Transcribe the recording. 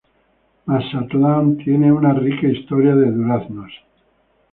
Mazatlán tiene una rica historia de duraznos.